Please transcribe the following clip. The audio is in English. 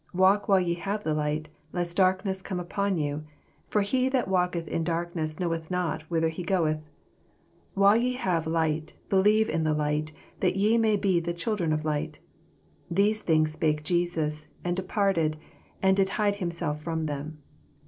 Walk while ye have the light, lest darkness come upon yon; for he that walketh in darkness knoweth not whither he goeth. 36 While ye have light, believe in the light, that ye may be the children of light. These things spake Jesns, and departed, and did hide himself from them.